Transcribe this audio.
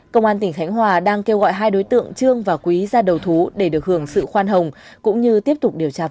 công an tỉnh khánh hòa đang kêu gọi hai đối tượng trương và quý ra đầu thú để được hưởng sự khoan hồng cũng như tiếp tục điều trạp